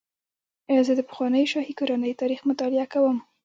زه د پخوانیو شاهي کورنیو تاریخ مطالعه کوم.